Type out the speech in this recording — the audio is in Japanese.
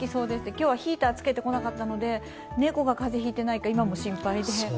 今日はヒーターをつけてこなかったので、猫が風邪、ひいてないか今も心配です。